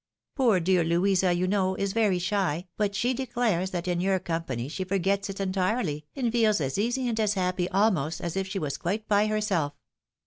Poor dear Louisa, you know, is very shy, but she declares that in your company she forgets it entirely, and feels as easy and as happy, almost, as if she was quite by herself."